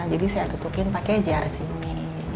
jadi saya tutupin pake jar sini